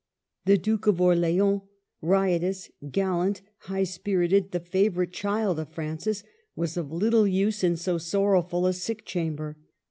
The Duke of Orleans, riotous, gal lant, high spirited, the favorite child of Francis, was of little use in so sorrowful a sick cham ber.